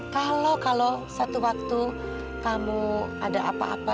kalau kalau satu waktu kamu ada apa apa